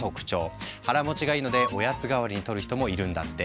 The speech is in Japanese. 腹持ちがいいのでおやつ代わりにとる人もいるんだって。